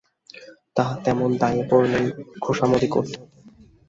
তা, তেমন দায়ে পড়লে খোশামোদই করতে হত।